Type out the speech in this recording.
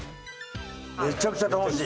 めちゃくちゃ楽しい。